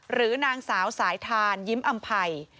หรือนางสาวสายทานยิ้มอำภัย